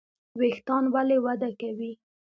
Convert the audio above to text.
ویښتان ولې وده کوي؟